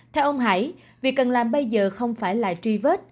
theo ông hải việc cần làm bây giờ không phải là truy vết